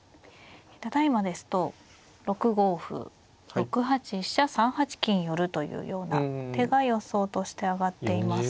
ただいまですと６五歩６八飛車３八金寄というような手が予想として挙がっています。